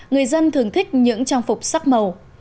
người dân thường thích những trang phục sắc màu